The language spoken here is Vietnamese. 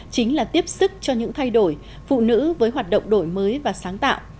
chính là tiếp sức cho những thay đổi phụ nữ với hoạt động đổi mới và sáng tạo